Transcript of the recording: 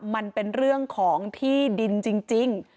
มันเป็นเรื่องของที่ดินจริง